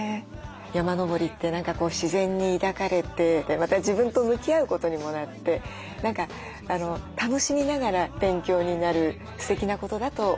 山登りって何かこう自然に抱かれてまた自分と向き合うことにもなって何か楽しみながら勉強になるすてきなことだと思わせて頂きました。